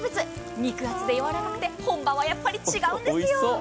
肉厚でやわらかくて本場はやっぱり違うんですよ。